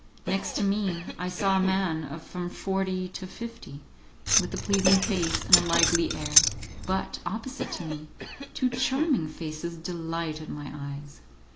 Next to me, I saw a man of from forty to fifty, with a pleasing face and a lively air, but, opposite to me, two charming faces delighted my eyes.